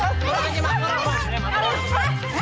kok orang pada kabur sih